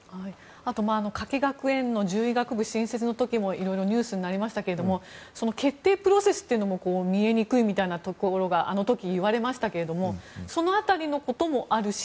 あと、加計学園の獣医学部新設の時もいろいろニュースになりましたがその決定プロセスも見えにくいというところがあの時、いわれましたけどその辺りのこともあるし